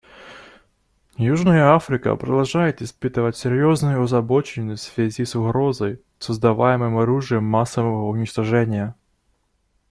Южная Африка продолжает испытывать серьезную озабоченность в связи с угрозой, создаваемой оружием массового уничтожения.